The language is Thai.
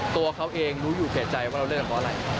ตัวเขาเองรู้อยู่เผ็ดใจว่าเราเลือกกับอะไร